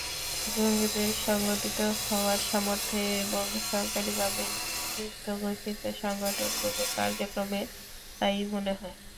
জঙ্গিদের সংগঠিত হওয়ার সামর্থ্য এবং সরকারিভাবে নিষিদ্ধঘোষিত সংগঠনগুলোর কার্যক্রমে তা-ই মনে হয়।